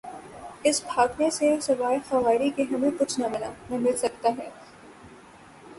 اس بھاگنے سے سوائے خواری کے ہمیں کچھ نہ ملا... نہ مل سکتاتھا۔